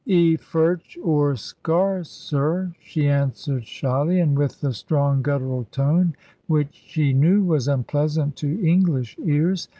"Y Ferch o'r Scer, Syr," she answered shyly, and with the strong guttural tone which she knew was unpleasant to English ears.